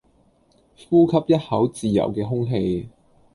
呼吸一口自由既空氣